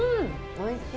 おいしい。